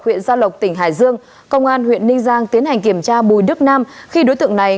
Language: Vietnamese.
huyện gia lộc tỉnh hải dương công an huyện ninh giang tiến hành kiểm tra bùi đức nam khi đối tượng này